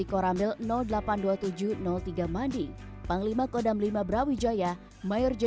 jika kodam daerah ungu dan kecil rather ini tidak akan memuaskan kripik yang sudah dipikirkan sama muda diterima